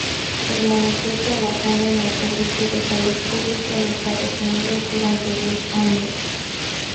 Permaneció trabajando en el Servicio de Salud Pública de Estados Unidos durante diez años.